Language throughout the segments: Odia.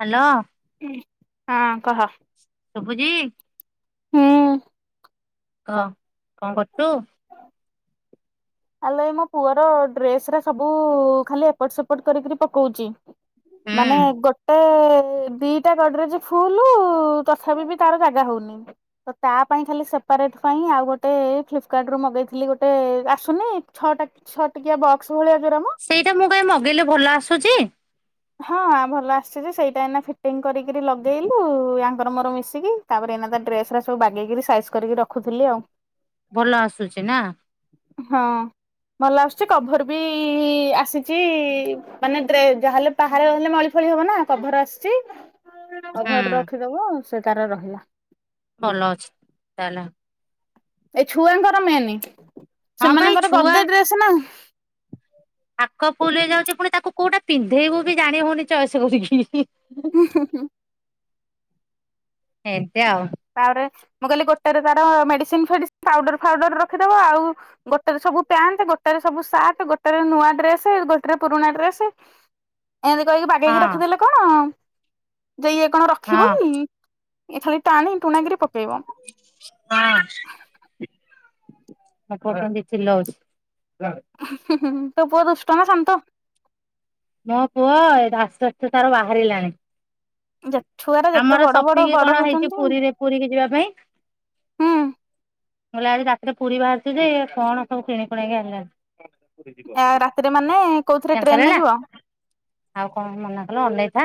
ହ୍ୟାଲୋ। ହଁ କହ। ଶୁଭୁଚି। ହୁଁ। କହ କଣ କରୁଛୁ? ଆଲେ ଏ ମୋ ପୁଅର ଡ୍ରେସ ରା ସବୁ ଖାଲି ଏପଟ ସେପଟ କରିକ ପକଉଛି। ମାନେ ହୁଁ ଗୋଟେ ଦିଟା ଗଡରେଯ ଫୁଲ ତଥାପି ବି ତାର ଜାଗା ହଉନି। ତ ତା ପାଇଁ ଖାଲି ସେପାରେଟ ପାଇଁ ଆଉ ଗୋଟେ ଫ୍ଲିପକାର୍ଟ ରୁ ମଗେଇଥିଲି ଗୋଟେ ରାସ ନି ଛଅଟା ଛଅ ଟିକିଆ ବକ୍ସ ଭଳିଆ ଜଉରା ମ ସେଇଟା ମୁଁ ପାଇଁ ମଗେଇଲେ ଭଲ ଆସୁଛି? ହଁ ଭଲ ଆସିଛି ସେଇଟା ଏନା ଫିଟିଙ୍ଗ କରିକିରି ଲଗେଇଲୁ ଆଙ୍କର ମୋର ମିଶିକି। ତାପରେ ଏଇନା ତା ଡ୍ରେସ ସବୁ ବାଗେଇିକିରି ସାଇଜ କରିକି ରଖୁଥିଲି ଆଉ। ଭଲ ଆସୁଛି ନା। ହଁ। ଭଲ ଆସୁଛି କଭର ବି ଆସିଛି ମାନେ ଡ୍ରେ ଯାହେଲେ ବାହାରେ ରହିଲେ ମଳି ଫଳି ହବ ନା କଭର ଆସିଛି ହୁଁ କଭର ରଖିଦବ ସେ ତାର ରହିଲା। ଭଲ ଅଛି ତାଲ। ଏ ଛୁଆଙ୍କର ମେନ ହଁ ଭାଇ ସେମାନଙ୍କର ଛୁଆ ଗଦେ ଡ୍ରେସ ନା। ଥାକ ଫୁଲ ହେଇଯାଉଛି ପୁଣି ତାକୁ କୋଉଟା ପିନ୍ଧେଇବୁ ବି ଜାଣି ହଉନି ଚଏସ କିରିକି। ହୁଁ ହୁଁ ହୁଁ। ଏମିତି ଆଉ। ତାପରେ ମୁଁ କହିଲି ଗୋଟେରେ ତାର ମେଡିସିନ ଫେଡିସିନ ପାଉଡର ଫାଉଡର ରଖିଦବା ଆଉ ଗୋଟେରେ ସବୁ ପ୍ୟାଣ୍ଟ ଗୋଟେରେ ସବୁ ସାର୍ଟ ଗୋଟେରେ ନୂଆ ଡ୍ରେସ ଗୋଟେରେ ପୁରୁଣା ଡ୍ରେସ। ଏମିତି କହିକି ବାଗେଇକି ହଁ ରଖିଦେଲେ କଣ ଯେ ଇଏ କଣ ହଁ ରଖିବ କି? ଏ ଖାଲି ଟାଣି ଟୁଣାକିରି ପକେଇବ। ହଁ ମୁଁ ପୁଅ କେମତି ଚିଲଉଛି। ହୁଁ ହୁଁ ହୁଁ ତୋ ପୁଅ ଦୁଷ୍ଟ ନା ଶାନ୍ତ? ମୋ ପୁଅ ଏବେ ଆସ୍ତେ ଆସ୍ତେ ତାର ବାହାରିଲାଣି। ଛୁଆ ଟା ଯେତେ ଆମର ବଡ ବଡ ସପିଙ୍ଗ ବଡ କଣ ହେଇଛି ହଉଛନ୍ତି ପୁରୀରେ ପୁରୀ କି ଯିବା ପାଇଁ? ହୁଁ ମୁଁ କହିଲି ଆଜି ରାତିରେ ପୁରୀ ବାହାରୁଛି ଯେ କଣ ସବୁ କିଣିି କୁଣା କି ଆଣିଛନ୍ତି। ଆ ରାତିରେ ମାନେ କୋଉଥିରେ କ୍ୟାନସଲ ହେଲା ଟ୍ରେନରେ ଯିବ? ଆଉ କଣ ମନା କଲ ଅନେଇଥା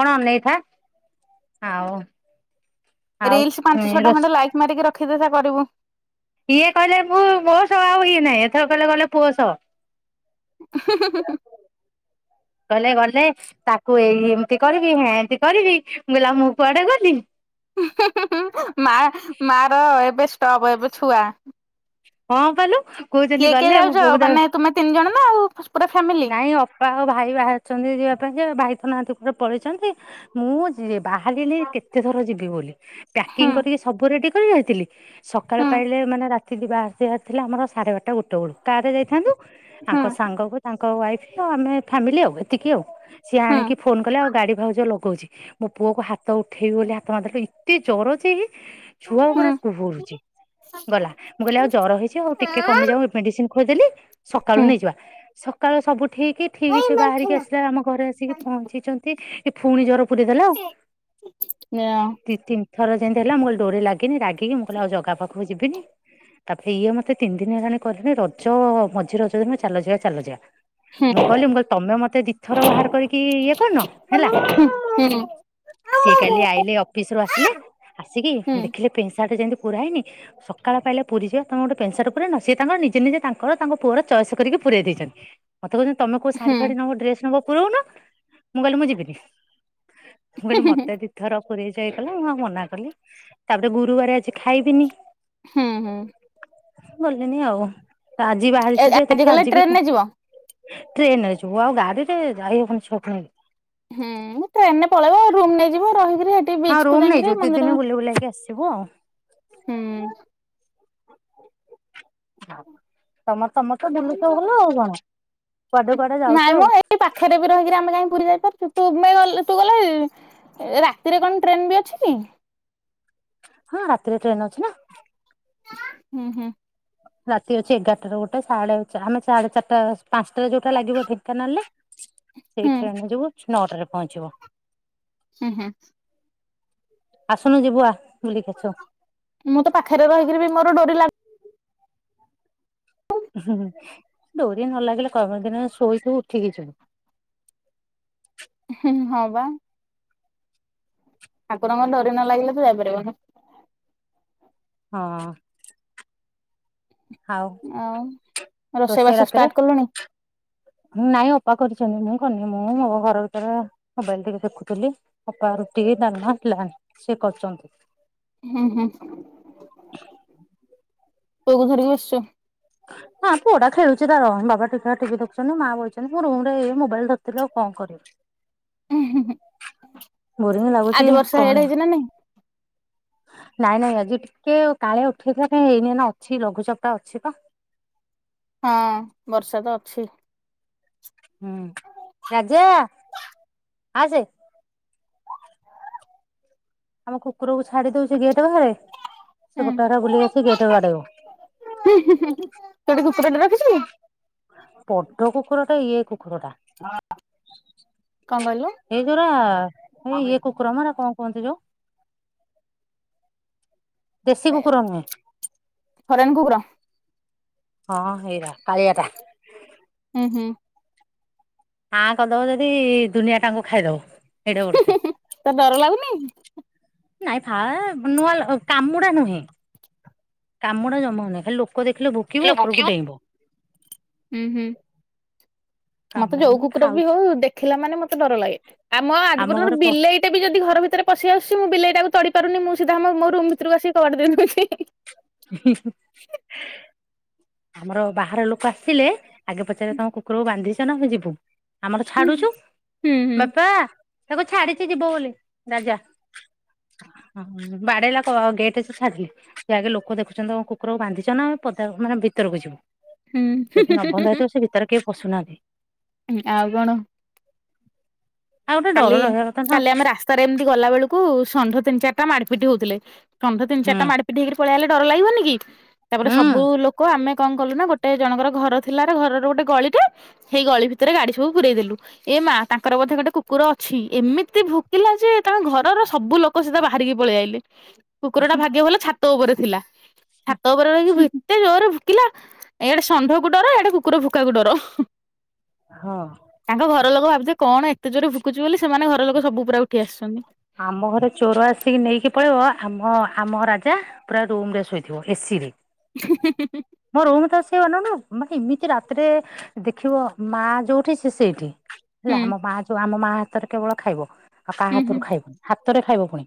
କଣ ଅନେଇଥା ଆଉ ଆଉ ରିଲ୍ସ ପାଞ୍ଚ ଛଅ ଟା ରୋଷେ ଖଣ୍ଡ ଲାଇକ୍ ମାରିକି ରଖିଦେଇଥା କରିବୁ। ଇଏ କହିଲେ ମୁ ମୋ ସ ଆଉ ଜଣେ ଇଏ ନାହିଁ ଏଥର କହିଲେ କହିଲେ ପୁଅ ସ ହୁଁ ହୁଁ ହୁଁ ହୁଁ। କଲେ ଗଲେ ତାକୁ ଏମତି କରିବି ହେଁ ଏମତି କରିବି ମୁଁ କହିଲି ମୁଁ କୁଆଡେ ଗଲି। ମା ମା ର ଏବେ ଷ୍ଟଭ୍ ଏବେ ଛୁଆ। ହଁ ପାଲୋ କହୁଛନ୍ତି ଗଲେ ମୋ ପୁଅକୁ ତାକୁ ତମେ ତିନି ଜଣ ନା ଆଉ? ପୁରା ଫ୍ୟାମିଲି ନାଇଁ ଅପା ଆଉ ଭାଇ ବାହାରିଛନ୍ତି ଯିବା ପାଇଁ ଯେ ଭାଇ ତ ନାହାଁନ୍ତି କୁଆଡେ ପଳେଇଛନ୍ତି ମୁଁ ବାହାରିଲି କେତେ ଥର ଯିବି ବୋଲି ହୁଁ ପ୍ୟାକିଂ କରିକି ସବୁ ରେଡି କରି ରହିଥିଲି ସକାଳେ ହୁଁ ପାଇଲେ ମାନେ ରାତି ଯିବା ଯିବାର ଥିଲା ଆମର ସାଢେ ବାରଟା ଗୋଟେ ବେଳୁ କାରେ ଯାଇଥାନ୍ତୁ ହୁଁ ଆଙ୍କ ସାଙ୍ଗକୁ ତାଙ୍କ ୱାଇଫ ଆଉ ଆମେ ଫ୍ୟାମିଲି ଆଉ ଏତିକି ଆଉ ସିଏ ହୁଁ ଆଣିକି ଫୋନ କଲେ ଆଉ ଗାଡି ଭାଉଜ ଲଗଉଛି। ମୋ ପୁଅକୁ ହାତ ଉଠେଇବି ବୋଲି ହାତ ମାରିଦେଲି ଏତେ ଜ୍ୱର ଯେ ଛୁଆ ହୁଁ ପୁରା କୁହୁରୁଚି ଗଲା ମୁଁ କହିଲି ଆଉ ଜର ହେଇଛି ଆଉ ଟିକେ କମିଯାଉ ମେଡିସିନି ଖୋଇଦେଲି ସକାଳୁ ହୁଁ ନେଇଯିବା ସକାଳୁ ସବୁ ଠିକି ଠିକି ସେ ବାହାରିକି ଆସିଲା ଆମ ଘରେ ଆସିକି ପହଁଞ୍ଚିଛନ୍ତି ଏ ପୁଣି ଜର ପୁରେଇଦେଲା ଆଉ ଦି ତିନି ଥର ଯେମିତି ହେଲା ମୁଁ କହିଲି ଡୋରେ ଲାଗିନି ରାଗିକ ମୁଁ କହିଲ ଆଉ ଜାଗା ପାଖକୁ ଯିବିନି ତାପରେ ଇଏ ମତେ ତିନି ଦିନି ହେଲାଣି କହିଲେଣି ରଜ ମଝି ରଜ ଦିନ ଚାଲଯିବା, ଚାଲଯିବା। ହୁଁ ମୁଁ କହିଲି ମୁଁ କହିଲି ତମେ ମତେ ଦିଥର ବାହାର କରିକି ଇଏ କରିନ ହେଲା। ହୁଁ ହୁଁ ସିଏ କାଲି ଆଇଲେ ଅଫିସ ରୁ ଆସିଲେ ଆସିକି ଦେଖିଲେ ପେନ୍ ସାର୍ଟା ଯେମିତି ପୁରା ହେଇନି ସକାଳ ପାଇଲେ ପୁରୀ ଯିବା ତମେ ଗୋଟେ ପେଣ୍ଟ, ସାର୍ଟ ପୁରେଇ ନ ସିଏ ତାଙ୍କର ନିଜେ ନିଜେ ତାଙ୍କର ତାଙ୍କ ପୁଅର ଚଏସ୍ କରିକି ପୁରେଇ ଦେଇଛନ୍ତି ମତେ କହୁଛନ୍ତି ତମେ କଉ ଶାଢୀ, ହୁଁ ଫାଢି ନବ, ଡ୍ରେସ ନବ ପୁରଉ ନ ମୁଁ କହିଲି ମୁଁ ଯିବିନି, ମୁଁ କହିଲି ମତେ ଦି ଧର ପୁରେଚ ଇଏକଲ ମୁଁ ଆଉ ମନା କଲି ତାପରେ ଗୁରୁବାର ଆଜି ଖାଇବିନି ହୁଁ, ହୁଁ। ଗଲିନି ଆଉ ଆଜି ବାହାରିଛୁ ଯେ ଆଜି ଦେଖ ଗଲେ ଟ୍ରେନ ରେ ଯିବ ଟ୍ରେନ ରେ ଯିବୁ ଆଉ ଗାଡି ରେ ଯାଇ ହବନି ଛୁଆକୁ ନେଇକି। ହୁଁ, ଟ୍ରେନରେ ପଳେଇବ ରୁମ୍ ନେଇଯିବ। ରହିକିରି ସେଠି ହଁ ବିଚ୍ କୁ ରୁମ୍ ଯାଇକିରି ନେଇଯିବୁ ଦି ମନ୍ଦିର ଦିନି ବୁଲି ବୁଲାକି ଆସିବୁ ଆଉ। ହୁଁ ହଁ ତମ ତମର ତ ବୁଲୁଚ ଭଲ ଆଉ କଣ? କୁଆଡେ କୁଆଡେ ଯାଉଛ ନାଇଁ ଆଉ। ମ ଏଇ ପାଖରେ ବି ରହିିକିରି ଆମେ କାହିଁ ପୁରୀ ଯାଇପାରୁଛୁ। ତୁମେ ଗଲେ ତୁ ଗଲେ ରାତିରେ କଣ ଟ୍ରେନ ବି ଅଛି କି? ହଁ, ରାତିରେ ଟ୍ରେନ୍ ଅଛି ନା। ହୁଁ ହୁଁ। ରାତି ଅଛି ଏଗାରାଟା ରେ ଗୋଟେ ସାଢେ ଚା ଆମେ ସାଢେ ଚାରିଟା ପାଞ୍ଚଟାରେ ଯୋଉଟା ଲାଗିବ ଢେଙ୍କାନାଳରେ ହୁଁ ସେଇଟାରେ ଆମେ ଯିବୁ ନଅଟାରେ ପହଁଞ୍ଚିବୁ। ହୁଁ, ହୁଁ। ଆସୁନୁ ଯିବୁ ଆ ବୁଲିକି ଆସିବୁ। ମୁଁ ତ ପାଖରେ ରହିକିରି ବି ମୋର ଡୋରି ଲାଗ ଡୋରି ନ ଲାଗିଲେ କର୍ମ ଦିନରେ ଶୋଇଥିବୁ ଉଠିକି ଯିବୁ। ହଁ ବା। ଠାକୁରଙ୍କ ଡୋରି ନ ଲାଗିଲେ ତୁ ଯାଇପାରିବୁନୁ। ହଁ। ଆଉ ଆଉ ରୋଷେଇ ବାସ ଷ୍ଟାର୍ଟ କଲୁଣି? ନାଇଁ ଅପା କରିଚନ୍ତି ମୁଁ କରିନି ମୁଁ ମୋ ଘର ଭିତରେ ମୋବାଇଲ୍ ଟିକେ ଦେଖୁଥୁଲି। ଅପା ରୁଟିକି ଦାଲମା ଥିଲା ସିଏ କରୁଚନ୍ତି। ହୁଁ ହୁଁ ପୁଅକୁ ଧରିକି ବସଚୁ? ହଁ ପୁଅଟା ଖେଳୁଚି ତାର ର ବାବା ଟିଥା ଟି ଭି ଦେଖୁଚନ୍ତି, ମା ବଇଛନ୍ତି, ମୁଁ ରୁମରେ ଏଇ ମୋବାଇଲ୍ ଦେଖୁଥୁଲି ଆଉ କଣ କରିବି? ବୋରିଙ୍ଗ ଲାଗୁଚି ଆଜି ବର୍ଷା ଇଆଡେ କହନି। ହେଇଛି ନା ନାଇଁ? ନାଇଁ ନାଇଁ ଆଜି ଟିକେ କାଳେ ଉଠେଇଥିଲା କାଇଁ ଏଇନି ଏଇନା ଅଛି ଲଘୁଚାପଟା ଅଛି ପା। ହଁ ବର୍ଷା ତ ଅଛି। ହୁଁ ରାଜା ଆସେ। ଆମ କୁକୁରକୁ ଛାଡ଼ି ଦୋଉ ସେ ଗେଟ୍ ବାହାରେ ସେ ଗୋଟା ଭେରା ବୁଲିକି ଆସି ଗେଟ୍ ବାଡ଼େଇବ। ତୁ ଗୋଟେ କୁକୁରଟେ ରଖିଚୁ? ବଡ଼ କୁକୁର ଟେ ଇଏ କୁକୁର ଟା। କଣ କହିଲୁ ଏଇ ଗୁରା ହେଇ ଇଏ କୁ କୁକୁର ମ ହେରା କଁ କୁହନ୍ତି ଯୋଉ ଦେଶୀ କୁକୁର ନୁହେଁ। ଫରେନ୍ କୁକୁର। ହଁ, ହେଇରା କାଳିଆଟା। ହୁଁ ହୁଁ। ଆଁ କରିଦବ ଯଦି ଦୁନିଆଟାଙ୍କୁ ଖାଇଦବ ଏଡେ ବଡ଼ଟେ। ତତେ ଡର ଲାଗୁନି? ନାଇଁ ଫା ନୂଆଁ ଲ କାମୁଡ଼ା ନୁହେଁ। କାମୁଡ଼ା ଜମା ନୁହେଁ ଖାଲି ଲୋକ ଦେଖିଲେ ଭୁକିବ ଉପୁରୁକୁ ଡେଇଁବ। ଉଁ ହୁଁ। ମତେ କାମୁଡା ଯଉ ନୁହେଁ କୁକୁର ବି ଖାଉଛି ହଉ ଦେଖିଲା ମାନେ ମତେ ଡର ଲାଗେ ଆମ ଆଜି ପର୍ଯ୍ୟନ୍ତ ଘରେ ପ ବିଲେଇ ଏବେ ଯଦି ଘର ଭିତରେ ପସି ଆସଚି ମୁଁ ବିଲେଇଟାକୁ ତଡ଼ି ପାରୁନି ମୁଁ ସିଧା ଆମ ମୋ ରୁମ ଭିତରୁକୁ ଆସିକି କବାଟ ଦେଇ ଦଉଚି। ଆମର ବାହାର ଲୋକ ଆସିଲେ ଆଗେ ପଚାରିବେ ତମ କୁକୁରକୁ ବାନ୍ଧିଚ ନାଁ ଆମେ ଯିବୁ ଆମର ହୁଁ ଛାଡ଼ୁଚୁ ହୁଁ ହୁଁ ବାପା ତାକୁ ଛାଡି଼ଚି ଯିବ ବୋଲି ରାଜା। ହଁ ବାଡ଼େଇଲା କ ଗେଟ୍ ଯେ ଛାଡ଼ିଲି ସିଏ ଆଗେ ଲୋ କ ଦେଖୁଚନ୍ତି ତମ କୁକୁରକୁ ବାନ୍ଧିଚ ନାଁ ଏ ପଦା ମାନେ ଭିତରକୁ ଯିବୁ ଯଦି ନ ବନ୍ଧା ହୁଁ। ହେଇଥିବ ସେ ଭିତରେ କିଏ ପଶୁନାହାନ୍ତି। ଏ ଆଉ କଣ? ଆଉ ଗୋଟେ ଡର କାଲି ରହିବା କଥା ନା କାଲି ଆମେ ରାସ୍ ତାରେ ଏମିତି ଗଲା ବେଳୁକୁ ଷଣ୍ଢ ତିନି ଚାରଟା ମାଡ଼ପିଟି ହଉଥୁଲେ ଷଣ୍ଢ ତିନି ହୁଁ ଚାରଟା ମାଡ଼୍ ପିଟି ହେଇକିରି ପଳିଆଇଲେ ଡର ଲାଗିବନି କି ତାପରେ ତାପରେ ହୁଁ ସବୁ ଲୋକ ଆମେ କଁ କଲୁ ନାଁ ଗୋ ଟେ ଜଣଙ୍କର ଘର ଥିଲାରେ ଘରର ଗୋଟେ ଗଳିଟେ। ହେଇ ଗଳି ଭିତରେ ଗାଡ଼ି ସବୁ ପୁରରେଇ ଦେଲୁ ଏ ମା ତାଙ୍କର ବୋଧେ ଗୋଟେ କୁ କୁର ଅଛି ଏମିତି ଭୁକିଲା ଯେ ତାଙ୍କ ଘରର ସବୁ ଲୋକ ସିଦା ବାହାରିକି ପଳିଆଇଲେ। କୁକୁରଟା ଭାଗ୍ୟ ଭଲ ଛାତ ଓପରେ ଥିଲା ଛାତ ଓପରେ ରହିକି ଭି ଏତେ ଜୋରରେ ଫୁକିଲା ଏଡ଼େ ଷଣ୍ଢକୁ ଡର ୟାଡ଼େ କୁକୁର ଭୁକାକୁ ଡର। ହଁ। ତାଙ୍କ ଘର ଲୋକ ଭାବୁଥୁବେ କଣ ଏତେ ଜୋରେ ଭୁକୁଚି ବୋଲି ସେମାନେ ଘର ଲୋକ ସବୁ ପୁରା ଉଠି ଆସଚନ୍ତି। ଆମ ଘରେ ଚୋର ଆସିକି ନେଇକି ପଳେଇବ ଆମ ଆମ ରାଜା ପୁରା ରୁମ୍ ରେ ଶୋଇଥିବ ଏସିରେ। ମୋ ରୋମ ତ ସେ ଅନଉନୁ ମାନେ ଏମିତି ରାତିରେ ଦେଖିବ ମା ଯୋଉଠି ସେ ସେଇଠି। ହୁଁ ହେଲା ଆମ ମା ଯୋଉ ଆମ ମା ହାତରେ କେବଳ ଖାଇବ ଆଉ କାହା ହୁଁ ହୁଁ ହାତରୁ ଖାଇବ ହାତରେ ଖାଇବ ପୁଣି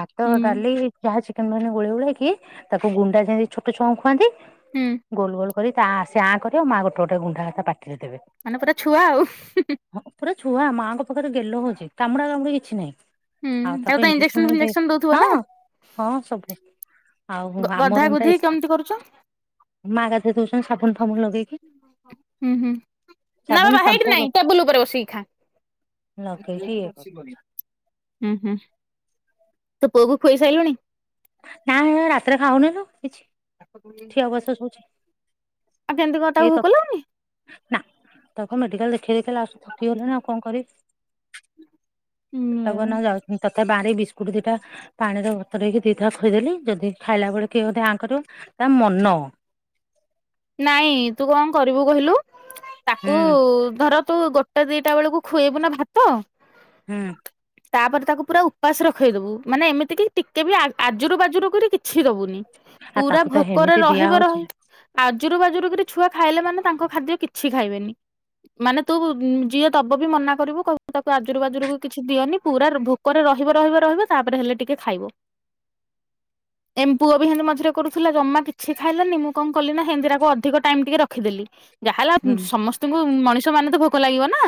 ଭାତ ହୁଁ ଡ଼ାଲି ଯାହା ଚିକେନ ଫିକେନ ଗୋଳେଇ ଗୋଳାକି ତାକୁ ଗୁଣ୍ଡା ଯେନି ଛୋଟ ଛଆଙ୍କୁ ଖୁଆନ୍ତି ହୁଁ। ଗୋଲ ଗୋଲ କରି ତା ଆସେ ଆଁ କରି ଆ ମାଆ ଗୋଟେ ଗୋଟେ ଗୁଣ୍ଡା ତା ପାଟିରେ ଦେବେ। ମାନେ ପୁରା ଛୁଆ ଆଉ। ହଁ ପୁରା ଛୁଆ ମାଆଙ୍କ ପାଖରେ ଗେଲ ହଉଛି କାମୁଡ଼ା କାମୁଡ଼ି କିଛି ନାହିଁ। ହୁଁ ଆଉ ତାକୁ ତ ଇଞ୍ଜେକ୍ସନ ବି ଫିଞ୍ଜେକ୍ସନ ଦଉଥିବ ଦେ ନା ହଁ ହଁ ସବୁ। ଆଉ ହ ଆମ ରୁମ୍ ଟା ଏସ୍ ଲଗେଇକି ଉଁ ହୁଁ। ନ ସାବୁନ ବାବା ହେଇଠି ସାମ୍ପୁ ନାଇଁ ଟେବୁଲ ଓପରେ ବସି ଖା। ଲଗେଇକି ହୁଁ ହୁଁ ତୋ ପୁଅକୁ ଖୁଏଇ ସାଇଲୁଣି? ନା ହେରା ରାତିରେ ଖାଉନି ତ କିଛି ଠିଆ ଅବଶେ ଶୋଉଚି। ଆ କେମତି କଣ ତାକୁ ଭୋକ ଲଗୁନି? ନା ତାକୁ ମେଡ଼ିକାଲ ଦେଖେଇ ଦେଖେଇ ଲାଷ୍ଟେକୁ ଥକିଗଲିଣି, ଆଉ କଣ କରିବି? ତାକୁ ଏଇନା ଯାଉତିନି ତତେ ବାଡ଼ି ବିସ୍କୁଟ ଦିଟା ପାଣିରେ ବତରେଇକି ସିଧା ଥୋଇଦେଲି ଯଦି ଖାଇଲା ବେଳେ କିଏ ଗୋଟେ ଆଁ କରିବ ତା ମନ। ନାଇଁ ତୁ କଣ କରିବୁ କହିଲୁ ହୁଁ ତାକୁ ଧର ତୁ ଗୋଟା ଦିଟା ବେଳକୁ ଖୁଏଇବୁ ନା ଭାତ ହୁଁ। ତାପରେ ତାକୁ ପୁରା ଉପାସ ରଖେଇଦବୁ ମାନେ ଏମିତିକ ଟିକେ ବି ଆ ଆଜୁରୁ ବାଜୁରୁ କରି କିଛି ଦୋବୁନି। ଆଉ ପୁରା ତାକୁ ତ ଭୋକରେ ହେମିତି ଦିଆ ରହିବ ହଉଛି ରହି ଆଜୁରୁ ବାଜୁରୁ କରି ଛୁଆ ଖାଇଲେ ମାନେ ତାଙ୍କ ଖାଦ୍ୟ କିଛି ଖାଇବେନି। ମାନେ ତୁ ଯିଏ ଦବ ବି ମନା କରିବୁ କ ତାକୁ ଆଜୁରୁ ବାଜୁରୁକୁ କିଛି ଦିଅନି ପୁରା ଭୋ କରେ ରହିବ ରହିବ ରହିବ ତାପରେ ହେଲେ ଟିକେ ଖାଇବ। ଏମ୍ପୁଅ ବି ହେତି ମଝରେ କରୁଥିଲା ଜମା କିଛି ଖାଇଲାନି ମୁଁ କଣ କଲିନା ହେନ୍ତି ତାକୁ ଅଧିକ ଟାଇମ୍ ଟିକେ ରଖିଦେଲି ଯାହା ହେଲା ହୁଁ ସମସ୍ ତଙ୍କୁ ମଣିଷ ମାନେ ତ ଭୋକ ଲାଗିବ ନା।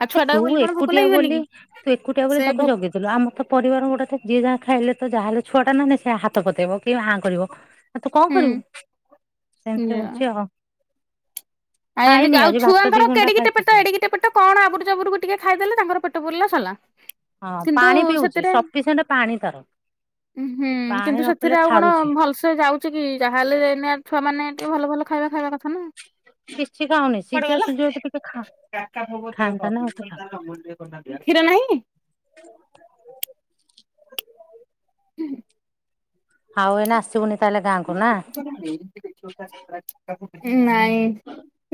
ଆଉ ଏ ତୁ ଛୁଆଟାକୁ ବୋଲି କଣ ଭୋକ ଏକୁଟିଆ ଲାଗିବନି ବୋଲି କି ତୁ ଏକୁଟିଆ ବୋଲି ସେ ତାକୁ ଭୋ ଜଗିଦ ଲୁ ଆମର ତ ପରିବାର ଗୋଟେ ଯିଏ ଯାହା ଖାଇଲେ ତ ଯାହେଲେ ଛୁଆଟା ନା ନାଇଁ ସେ ହାତ ପତେଇବ କି ହାଁ କରିବ। ଆଉ ତୁ କଣ ହୁଁ କରିବୁ ସେମିତି ଯା। ହଉଛି ଆଉ। ଆଉ ଏମତି ଖାଇନି ଆଉ ଆଜି ଭାତ ଦି ଛୁଆଙ୍କର ଗୁଣ୍ଡା କେଡ଼ିକିଟେ ପେଟ ଖାଇଥିଲି ଏଡ଼ିଟିକେ ପେଟ। କଣ ଆବୁରୁ ଚାବୁରୁ କି ଟିକେ ଖାଇଦେଲେ ତାଙ୍କର ପେଟ ପୁରିଲା ସଲା। ହଁ ପାଣି ପିଉଚି ସଫିସିଏଣ୍ଟ ପାଣି ତାର। ଉ ହୁଁ ପାଣି କିନ୍ତୁ ନ ପିଇଲେ ସେଥିରେ ଆଉ କଣ ଠାରୁଛି। ଭଲସେ ଯାଉ ଚିକି ଯାହେଲେ ଏଇନା ଛୁଆ ମାନେ ଟିକେ ଭଲ ଭଲ ଖାଇବା ଖାଇବା କଥା ନା। ସିଛି ଖାଉନି କୁଆଡେ ସିଝା ଗଲା? ସୁଜି ଟିକେ ଖା ଖାଆନ୍ତାନା ଆଉ ତୁ ଯାହା କ୍ଷୀର ନାହିଁ? ଉଁ ହୁ। ଆଉ ଏଇନା ଆସିବୁନି ତାଏଲେ ଗାଁକୁ ନା? [unintelligible] ନାଇଁ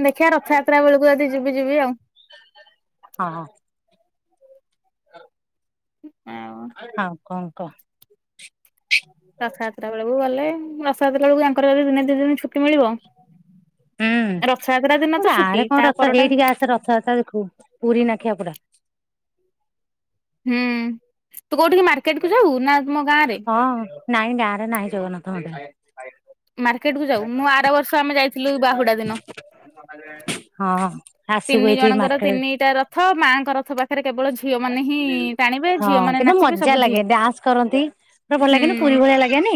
ଦେଖିଆ ରଥଯାତ୍ରା ବେଳକୁ ଯଦି ଯିବି ଯିବି ଆଉ। ହଁ ହଁ। [unintelligible] ହଁ। ହଁ କଣ କ। ରଥଯାତ୍ରା ବେଳକୁ ଗଲେ ରଥଯାତ୍ରା ବେଳକୁୟାଙ୍କର ଦିନେ ଦି ଦିନ ଛୁକଟି ମିଳିବ। ରଥଯାତ୍ରା ଦିନ ହୁଁ ତ ଗାଁରେ ଛୁଟି, କଣ ରଥ ତାପର ଟା। ଏଇଠିକି ଆସେ ରଥଯାତ୍ରା ଦେଖିବୁ। ପୁରୀ ନା ଖିଆପଡା ହୁଁ ତୁ କୋଉଠିକି ମାର୍କେଟ କୁ ଯାଉ ନା ତମ ଗାଁ ରେ? ହଁ। ନାଇଁ ଗାଁରେ ନାହିଁ ଜଗନ୍ନାଥ ମନ୍ଦିର। ମାର୍କେଟ କୁ ଯାଉ ମୁଁ ଆର ବର୍ଷ ଆମେ ଯାଇଥିଲୁ ବାହୁଡା ଦିନ। ହଁ ଆସିବୁ ଏଇଠି ମାରକେଟ୍। ଥ ମାଆଙ୍କ ରଥ ବା ଝିଅ ହଁ ମାନେ କିନ୍ତୁ ନାଚିବେ ମଜା ସବୁ ଝିଅ ଲାଗେ ଡ୍ୟାନ୍ସ କରନ୍ତି। ଭଲ ହୁଁ ଲାଗେନି ପୁରୀ ଭଳିଆ ଲାଗେନି।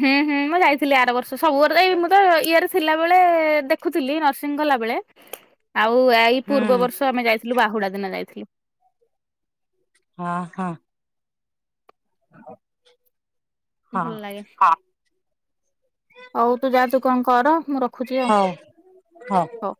ହୁଁ ହୁଁ ମୁ ଯାଇଥି ଥିଲି ଆର ବର୍ଷ ସବୁର ତ ଏଇ ମୁଁ ତ ଇଏ ରେ ଥିଲାବେଳେ ଦେଖୁଥିଲି, ନର୍ସିଂ କଲାବେଳେ ଆଉ ଏଇ ହୁଁ ପୂର୍ବ ବର୍ଷ ଆମେ ଯାଇଥିଲୁ ବାହୁଡା ଦିନ ଯାଇଥିଲୁ। ହଁ ହଁ। ହ ଭଲ ଲାଗେ, ହଁ। ହଉ ତୁ ଯାଆ ତୁ କଣ କର ମୁଁ ରଖୁଛି ଆଉ, ହଉ ହଉ।